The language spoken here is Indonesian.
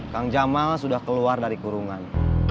kang jamal sudah keluar dari kurungan